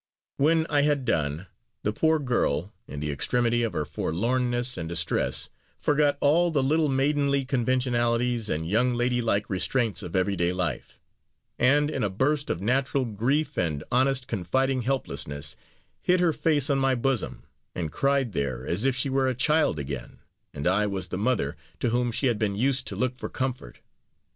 When I had done, the poor girl, in the extremity of her forlornness and distress, forgot all the little maidenly conventionalities and young lady like restraints of everyday life and, in a burst of natural grief and honest confiding helplessness, hid her face on my bosom, and cried there as if she were a child again, and I was the mother to whom she had been used to look for comfort.